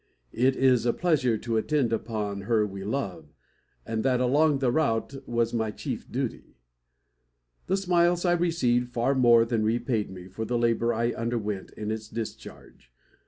It is a pleasure to attend upon her we love, and that along the route was my chief duty. The smiles I received far more than repaid me for the labour I underwent in its discharge.